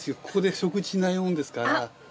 ここで食事しないもんですから。